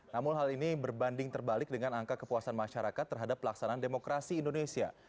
namun hal ini berbanding terbalik dengan angka kepuasan masyarakat terhadap pelaksanaan demokrasi indonesia